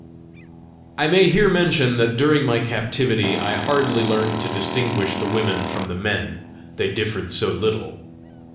I may here mention that during my captivity I hardly learned to distinguish the women from the men, they differed so little.